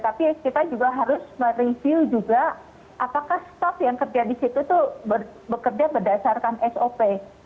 tapi kita juga harus mereview juga apakah staff yang kerja di situ itu bekerja berdasarkan sop